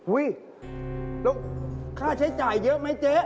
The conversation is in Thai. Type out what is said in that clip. แล้วค่าใช้จ่ายเยอะไหมเจ๊